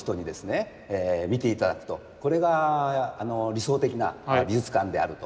見ていただくとこれが理想的な美術館であると。